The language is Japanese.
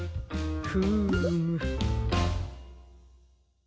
フーム。